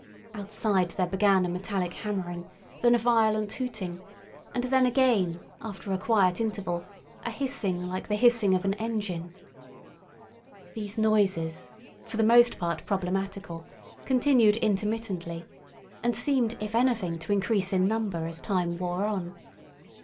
Outside there began a metallic hammering, then a violent hooting, and then again, after a quiet interval, a hissing like the hissing of an engine. These noises, for the most part problematical, continued intermittently, and seemed if anything to increase in number as time wore on.